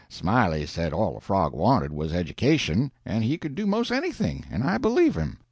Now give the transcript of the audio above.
Smiley said all a frog wanted was education, and he could do 'most anything and I believe him.